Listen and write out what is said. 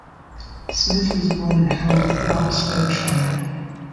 Smith was born in Hawick, Roxburghshire.